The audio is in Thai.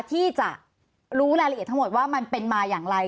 ที่จะรู้รายละเอียดทั้งหมดว่ามันเป็นมาอย่างไร